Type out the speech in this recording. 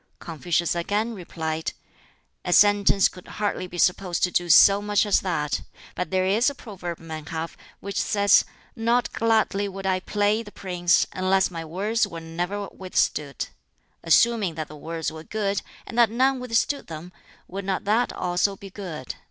Confucius again replied, "A sentence could hardly be supposed to do so much as that. But there is a proverb men have which says, 'Not gladly would I play the prince, unless my words were ne'er withstood.' Assuming that the words were good, and that none withstood them, would not that also be good?